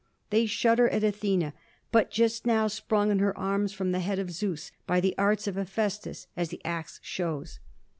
They shudder at Athena, but just now sprung in her arms from the head of Zeus, by the arts of Hephæstus, as the ax shows.